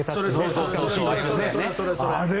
それ、それ。